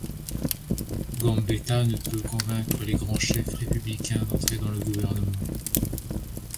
Gambetta ne peut convaincre les grands chefs républicains d'entrer dans le gouvernement.